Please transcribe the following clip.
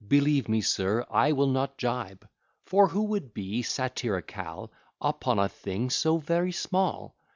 Believe me, Sir, I will not gibe: For who would be satirical Upon a thing so very small?